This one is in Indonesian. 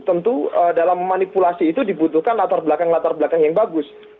tentu dalam memanipulasi itu dibutuhkan latar belakang latar belakang yang bagus